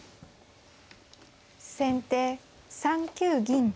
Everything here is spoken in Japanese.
先手３九銀。